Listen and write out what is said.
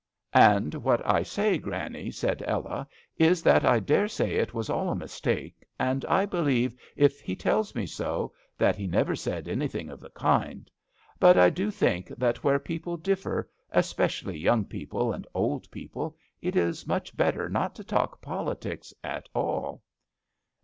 "And what I say. Granny," said Ella, " is that I dare say it was all a mistake, and I believe, if he tells me so, that he never said anything of the kind ; but I do think that where people differ, especially young people and old people, it is much better not to talk politics at all."